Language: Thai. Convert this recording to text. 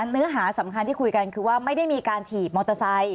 เนื้อหาสำคัญที่คุยกันคือว่าไม่ได้มีการถีบมอเตอร์ไซค์